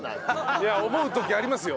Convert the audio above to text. いや思う時ありますよ